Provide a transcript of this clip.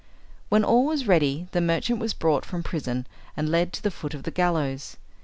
When all was ready the merchant was brought from prison and led to the foot of the gallows.